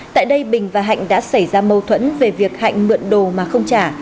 tại đây bình và hạnh đã xảy ra mâu thuẫn về việc hạnh mượn đồ mà không trả